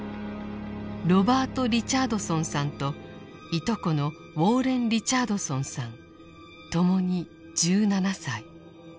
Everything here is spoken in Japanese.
ロバート・リチャードソンさんといとこのウォーレン・リチャードソンさんともに１７歳。